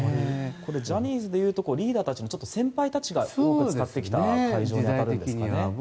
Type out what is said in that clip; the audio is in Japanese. ジャニーズでいうとリーダーの先輩たちが使ってきた会場なんですかね。